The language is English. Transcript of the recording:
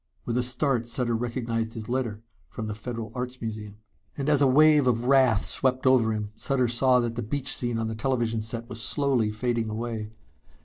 With a start Sutter recognized his letter from the Federal Arts Museum. And as a wave of wrath swept over him, Sutter saw that the beach scene on the television set was slowly fading away.